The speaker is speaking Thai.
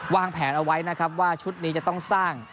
วางแผนเอาไว้นะครับว่าชุดนี้จะต้องสร้าง